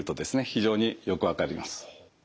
非常によく分かります。